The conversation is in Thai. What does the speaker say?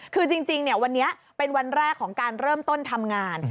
คือจริงวันนี้เป็นวันแรกของการเริ่มต้นทำงาน